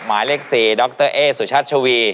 หมายเลข๔ดรเอ๊สุชัชวี